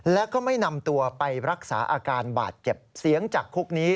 และก็ไม่นำตัวไปรักษาอาการบาดเจ็บเสียงจากคุกนี้